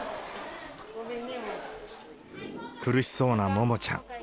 苦しそうなももちゃん。